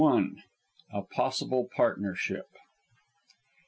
A POSSIBLE PARTNERSHIP.